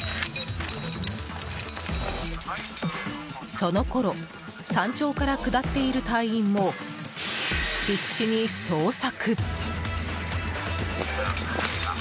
そのころ、山頂から下っている隊員も必死に捜索。